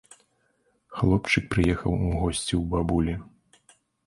Хлопчык прыехаў у госці ў бабулі.